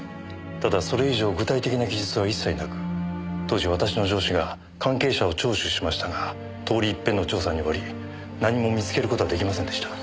ただそれ以上具体的な記述は一切なく当時私の上司が関係者を聴取しましたが通り一遍の調査に終わり何も見つける事は出来ませんでした。